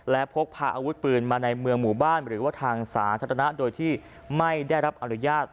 และพกพาอาวุธปืนมาในเมืองหมู่บ้านหรือว่าทางสาธารณะโดยที่ไม่ได้รับอนุญาต